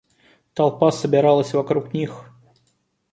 Толпа собиралась вокруг них.